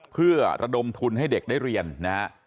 เพื่อระดมทุนให้เด็กได้เรียนนะฮะ